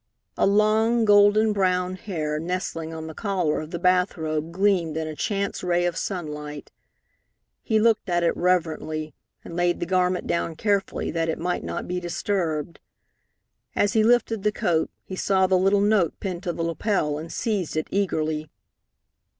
A long, golden brown hair nestling on the collar of the bathrobe gleamed in a chance ray of sunlight. He looked at it reverently, and laid the garment down carefully, that it might not be disturbed. As he lifted the coat, he saw the little note pinned to the lapel, and seized it eagerly.